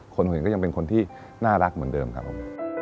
คนเห็นก็ยังเป็นคนที่น่ารักเหมือนเดิมครับผม